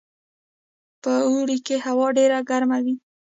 په اوړي کې هوا ډیره ګرمه وي